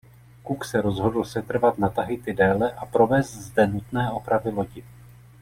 Cook se rozhodl setrvat na Tahiti déle a provést zde nutné opravy lodi.